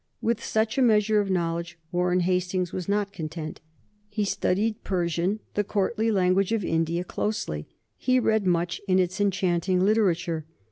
With such a measure of knowledge Warren Hastings was not content. He studied Persian, the courtly language of India, closely; he read much in its enchanting literature.